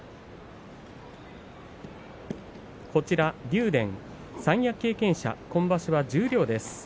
竜電、三役経験者今場所は十両です。